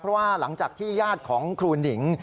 เพราะว่าหลังจากที่ญาติของครูหนิง